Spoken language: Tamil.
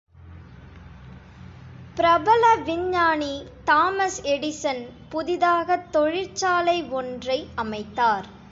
பிரபல விஞ்ஞானி தாமஸ் எடிசன் புதிதாகத் தொழிற்சாலை ஒன்றை அமைத்தார்.